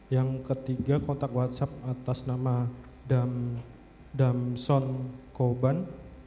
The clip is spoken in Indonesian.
yang ketiga kontak whatsapp atas nama damson koban